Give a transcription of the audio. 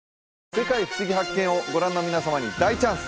「世界ふしぎ発見！」をご覧の皆様に大チャンス！